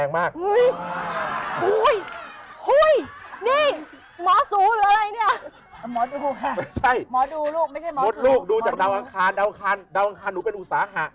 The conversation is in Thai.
มดลูกดูจากดาวอังคารดาวอังคารหนูเป็นอุตสาหะ